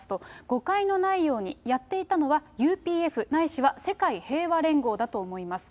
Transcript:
誤解のないように、やっていたのはＵＰＦ、ないしは世界平和連合だと思います。